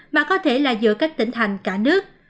mà có thể là giữa các tỉnh thành cả nước